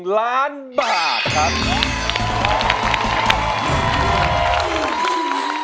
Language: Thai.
ล้านบาทครับ